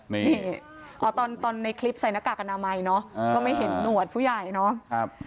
นี่อ๋อตอนในคลิปใส่หน้ากากอนามัยเนอะก็ไม่เห็นหนวดผู้ใหญ่เนาะ